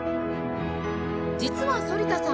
実は反田さん